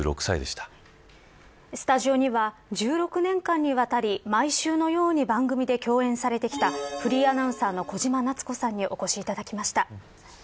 スタジオには１６年間にわたり毎週のように番組で共演されてきたフリーアナウンサーの小島奈津子さんにお越しいただきました。